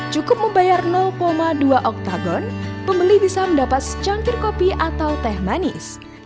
cukup membayar dua oktagon pembeli bisa mendapat secangkir kopi atau teh manis